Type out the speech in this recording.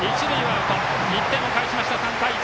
１点を返しました、３対１。